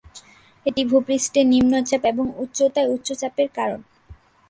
এটি ভূপৃষ্ঠে নিম্ন চাপ এবং উচ্চতায় উচ্চ চাপের কারণ।